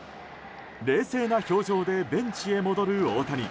冷静な表情でベンチへ戻る大谷。